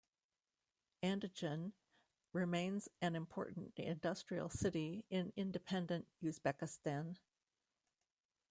Andijan remains an important industrial city in independent Uzbekistan.